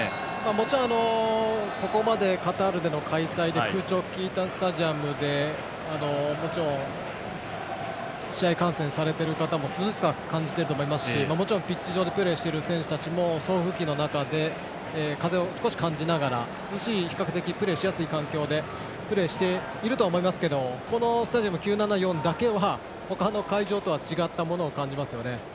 もちろん、ここまでカタールの開催で空調の効いたスタジアムで試合観戦されている方も涼しさを感じていると思いますしもちろんピッチ上でプレーしている選手たちも送風機の中で風を少し感じながら涼しい比較的プレーしやすい環境でプレーしていると思いますけどこのスタジアム９７４だけは他の会場とは違ったものを感じますよね。